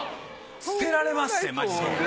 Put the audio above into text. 捨てられまっせマジで。